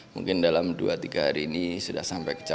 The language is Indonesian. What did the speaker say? mungkin dalam dua tiga hari ini sudah sampai kejadian